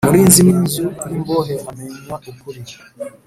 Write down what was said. Umurinzi w inzu y imbohe amenya ukuri